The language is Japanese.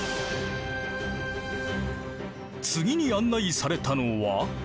次に案内されたのは。